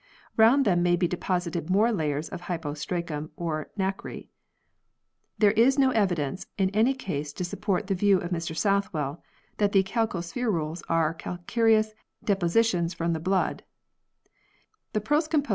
Round them may be deposited more layers of hypostracum or nacre. There is no evidence in any case to support the view of Mr Southwell that the calcospherules are calcareous depositions from the blood.